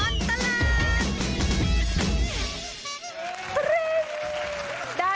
ชั่วตลอดตลาด